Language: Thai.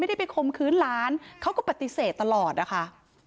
ไม่ได้ไปคมคื้นหลานเขาก็ปฏิเสธตลอดอะค่ะ